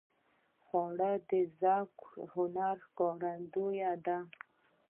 خوړل د ذوقي هنر ښکارندویي ده